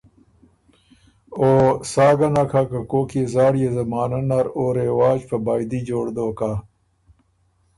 او سا ګه نک هۀ که کوک يې زاړيې زمانۀ نر او رواج په بائدی جوړ دوک هۀ۔